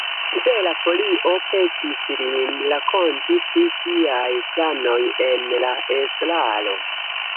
Libera Folio petis lin rakonti pri siaj planoj en la estraro.